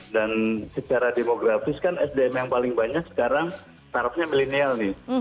dan secara demografis kan sdm yang paling banyak sekarang tarifnya milenial nih